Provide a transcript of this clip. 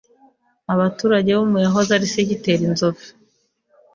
Abaturage bo mu yahoze ari Segiteri Nzove